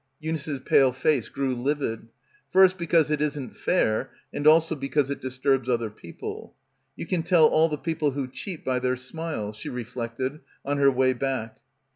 Eunice's pale face grew livid. "First because it isn't fair and also because it disturbs other peo ple." You can tell all the people who cheat by their smile, she reflected on her way back.